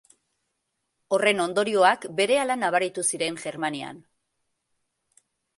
Horren ondorioak berehala nabaritu ziren Germanian.